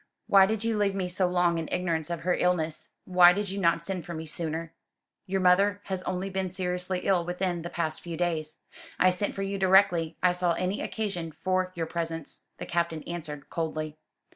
"Why did you leave me so long in ignorance of her illness? Why did you not send for me sooner?" "Your mother has only been seriously ill within the past few days. I sent for you directly I saw any occasion for your presence," the Captain answered coldly.